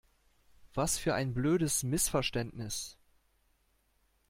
Was für ein blödes Missverständnis!